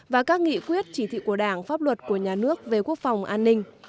và các nghị quyết chỉ thị của đảng pháp luật của nhà nước về quốc phòng an ninh